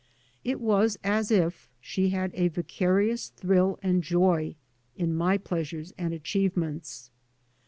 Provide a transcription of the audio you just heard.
It was as if she had a vicarious thrill and joy in my pleasures and achievements.